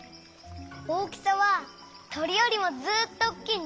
大きさはとりよりもずっとおっきいんだ！